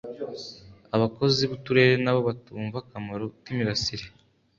abakozi b’uturere nabo batumva akamaro k’imirasire